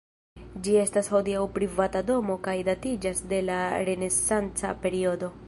Ĝi estas hodiaŭ privata domo kaj datiĝas de la renesanca periodo.